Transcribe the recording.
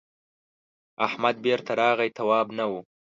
احمد بېرته راغی تواب نه و.